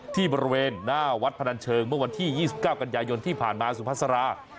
ที่บริเวณหน้าวัดพนันเชิงเมื่อวันที่๒๙กันยายนที่ผ่านมาสุภาษารา